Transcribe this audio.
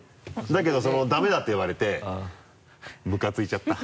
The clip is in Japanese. だけど「ダメだ」って言われてムカついちゃった。